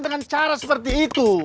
dengan cara seperti itu